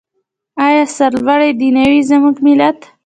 آیا سرلوړی دې نه وي زموږ ملت؟